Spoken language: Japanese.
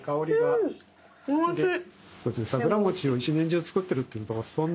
おいしい。